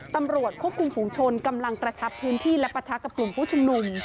ตำรวจควบคุมฝุงชนกำลังกระชับพื้นที่และปะทะกับกลุ่มผู้ชุมนุม